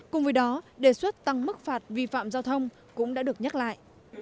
cùng với đó đề xuất tăng mức phạt vi phạm giao thông cũng đã được nhắc lại